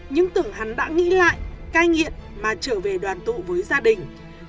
những tưởng hắn đã nghĩ lại cai nghiện mà trở về đoàn tụ với gia đình